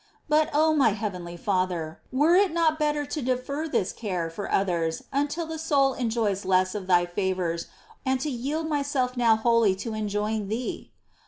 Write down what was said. But, O my heavenly Father ! were it not better to defer this care for others until the soul enjoys less of Thy favours, and to yield myself now wholly to enjoying Thee